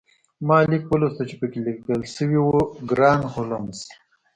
ما لیک ولوست چې پکې لیکل شوي وو ګران هولمز